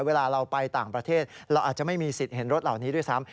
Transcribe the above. เวลาเราไปต่างประเทศเราอาจจะไม่มีสิทธิ์เห็นรถเหล่านี้ด้วยซ้ำ